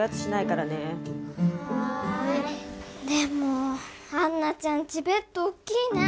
でもアンナちゃんちベッドおっきいね